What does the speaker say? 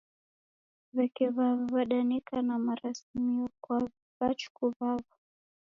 W'eke w'aw'a w'adanekana marasimio kwa w'achukuu w'aw'o